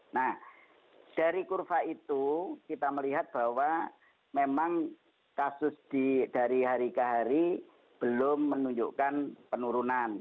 nah dari kurva itu kita melihat bahwa memang kasus dari hari ke hari belum menunjukkan penurunan